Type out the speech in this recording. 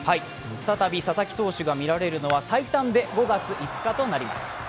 再び、佐々木投手が見られるのは最短で５月５日になります。